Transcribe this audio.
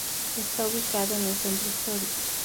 Está ubicado en el centro histórico.